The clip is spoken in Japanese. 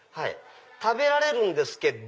食べられるんですけど。